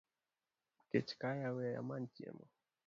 .kech kaya wee amany chiemo